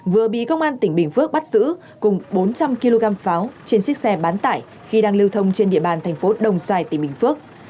vừa bị công an tỉnh bình phước bắt giữ cùng bốn trăm linh kg pháo trên xích xe bán tải khi đang lưu thông trên địa bàn thành phố đồng xoài tỉnh bình phước